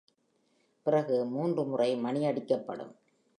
பிறகு மூன்று முறை மணியடிக்கப்படும்.